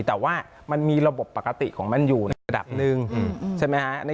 แต่ว่ามันมีระบบปกติของมันอยู่ในระดับหนึ่งใช่ไหมฮะ